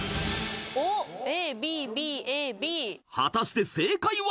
［果たして正解は？］